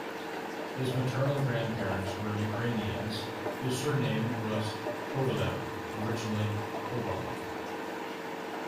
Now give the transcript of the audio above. His maternal grandparents were Ukrainians, whose surname was Kovalev, originally Koval.